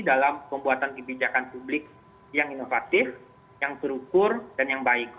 dalam pembuatan kebijakan publik yang inovatif yang terukur dan yang baik